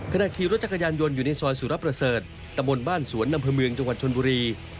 ขณะขี่รถจักรยานยนต์อยู่ในซอยสุรประเสริฐตะบนบ้านสวนอำเภอเมืองจังหวัดชนบุรี